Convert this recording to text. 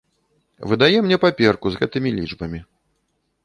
Выдае мне паперку з гэтымі лічбамі.